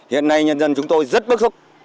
hiện nay nhân dân chúng tôi rất bức xúc